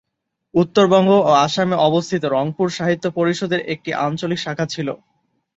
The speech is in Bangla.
উত্তরবঙ্গ ও আসামে অবস্থিত রংপুর সাহিত্য পরিষদের একটি আঞ্চলিক শাখা ছিল।